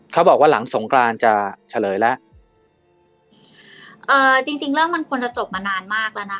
เขาบอกว่าหลังสงกรานจะเฉลยแล้วเอ่อจริงจริงเรื่องมันควรจะจบมานานมากแล้วนะคะ